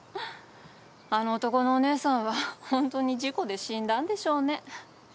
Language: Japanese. あの男のお姉さんは本当に事故で死んだんでしょうね。